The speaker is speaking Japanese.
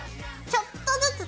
ちょっとずつ。